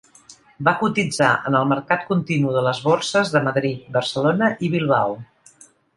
Va cotitzar en el Mercat Continu de les Borses de Madrid, Barcelona i Bilbao.